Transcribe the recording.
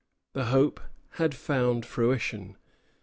The hope had found fruition.